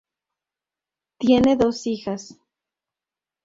Tiene dos hijas.